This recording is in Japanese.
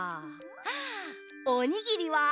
あおにぎりは？